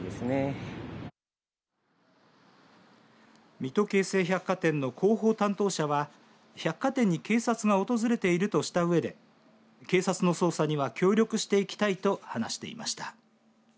水戸京成百貨店の広報担当者は百貨店に警察が訪れているとしたうえで警察の捜査には協力していきたいと話していました。